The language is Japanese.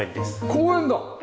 公園だ！